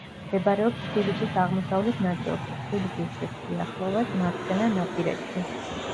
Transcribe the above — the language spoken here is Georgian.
მდებარეობს თბილისის აღმოსავლეთ ნაწილში, თბილისის ზღვის სიახლოვეს, მარცხენანაპირეთში.